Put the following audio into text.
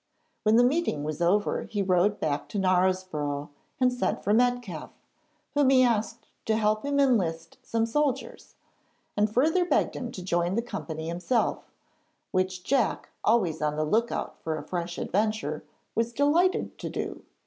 When the meeting was over he rode back to Knaresborough and sent for Metcalfe, whom he asked to help him enlist some soldiers, and further begged him to join the company himself, which Jack, always on the look out for a fresh adventure, was delighted to do.